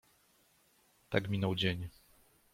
Tak minął dzień.